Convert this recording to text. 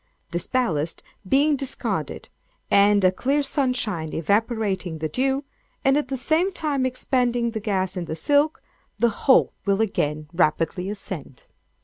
This ballast being discarded, and a clear sunshine evaporating the dew, and at the same time expanding the gas in the silk, the whole will again rapidly ascend.